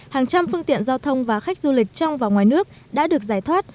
hàng trăm phương tiện giao thông và khách du lịch trong và ngoài nước đã được giải thoát